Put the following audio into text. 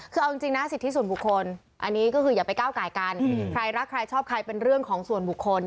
คือเอาจริงนะสิทธิส่วนบุคคลอันนี้ก็คืออย่าไปก้าวไก่กันใครรักใครชอบใครเป็นเรื่องของส่วนบุคคล